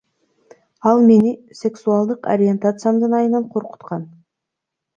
Ал мени сексуалдык ориентациямдын айынан коркуткан.